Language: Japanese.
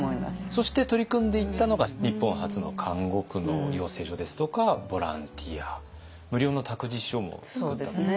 そして取り組んでいったのが日本初の看護婦の養成所ですとかボランティア無料の託児所も作ったということですけどね。